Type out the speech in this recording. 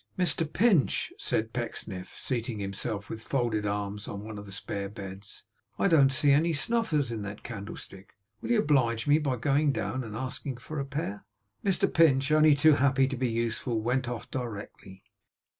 'Mr Pinch,' said Pecksniff, seating himself with folded arms on one of the spare beds. 'I don't see any snuffers in that candlestick. Will you oblige me by going down, and asking for a pair?' Mr Pinch, only too happy to be useful, went off directly.